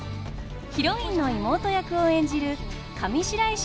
ヒロインの妹役を演じる上白石